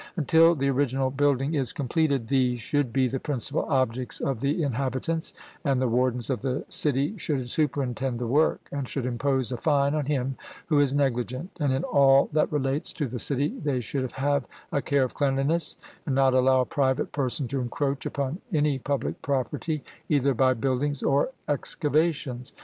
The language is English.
Until the original building is completed, these should be the principal objects of the inhabitants; and the wardens of the city should superintend the work, and should impose a fine on him who is negligent; and in all that relates to the city they should have a care of cleanliness, and not allow a private person to encroach upon any public property either by buildings or excavations.